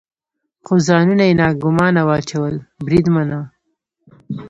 خو ځانونه یې ناګومانه واچول، بریدمنه.